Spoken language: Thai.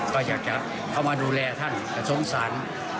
ก็อยากจะเข้ามาดูแลท่านแต่สงสาร